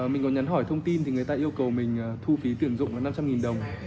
mình có nhắn hỏi thông tin thì người ta yêu cầu mình thu phí tuyển dụng là năm trăm linh đồng